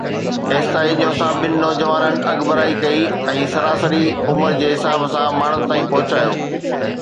ايستائين جو اسان ٻن نوجوانن اڳڀرائي ڪئي ۽ سراسري عمر جي حساب سان ماڻهن تائين پهچايو